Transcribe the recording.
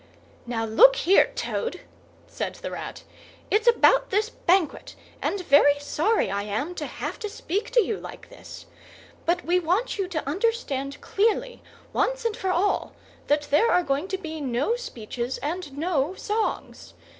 "Now, look here, Toad," said the Rat. "It's about this Banquet, and very sorry I am to have to speak to you like this. But we want you to understand clearly, once and for all, that there are going to be no speeches and no songs.